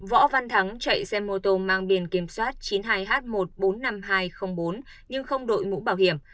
võ văn thắng chạy xe mô tô mang biển kiểm soát chín mươi hai h một trăm bốn mươi năm nghìn hai trăm linh bốn nhưng không đội mũ bảo hiểm